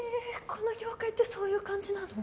この業界ってそういう感じなの？